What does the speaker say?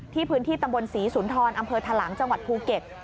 พื้นที่ตำบลศรีสุนทรอำเภอทะลังจังหวัดภูเก็ต